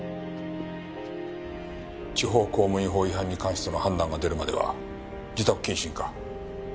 地方公務員法違反に関しての判断が出るまでは自宅謹慎か。